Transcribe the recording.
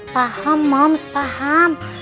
paham mams paham